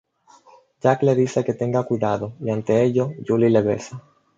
Jack le dice que tenga cuidado y ante ello, Juliet le besa.